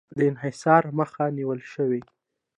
د انحصار مخه نیول شوې؟